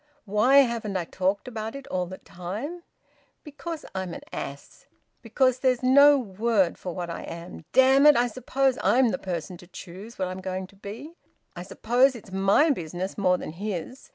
Why haven't I talked about it all the time? Because I am an ass! Because there is no word for what I am! Damn it! I suppose I'm the person to choose what I'm going to be! I suppose it's my business more than his.